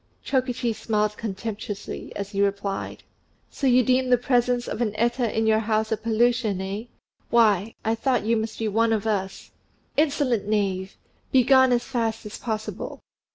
Chokichi smiled contemptuously, as he answered, "So you deem the presence of an Eta in your house a pollution eh? Why, I thought you must be one of us." "Insolent knave! Begone as fast as possible."